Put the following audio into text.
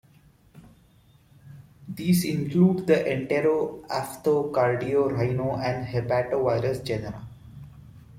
These include the Entero-, Aphtho-, Cardio-, Rhino- and Hepatovirus genera.